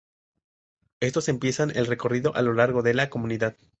Estos empiezan el recorrido a lo largo de la comunidad.